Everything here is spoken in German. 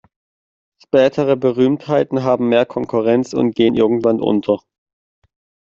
Spätere Berühmtheiten haben mehr Konkurrenz und gehen irgendwann unter.